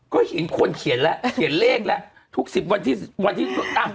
ก็เห็นคนเขียนละเขียนเลขละทุก๑๐วันที่อ้าวจริงกะ